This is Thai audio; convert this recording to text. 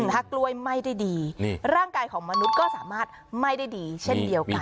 ถ้ากล้วยไหม้ได้ดีร่างกายของมนุษย์ก็สามารถไหม้ได้ดีเช่นเดียวกัน